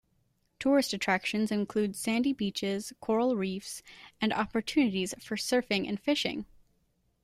Tourist attractions include sandy beaches, coral reefs, and opportunities for surfing and fishing.